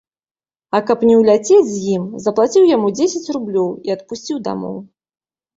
А каб не ўляцець з ім, заплаціў яму дзесяць рублёў і адпусціў дамоў.